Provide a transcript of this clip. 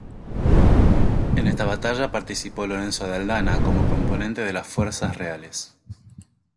En esta batalla participó Lorenzo de Aldana como componente de las fuerzas reales.